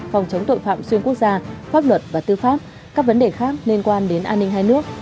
phòng chống tội phạm xuyên quốc gia pháp luật và tư pháp các vấn đề khác liên quan đến an ninh hai nước